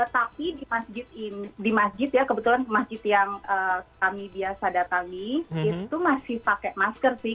tapi di masjid ya kebetulan masjid yang kami biasa datangi itu masih pakai masker sih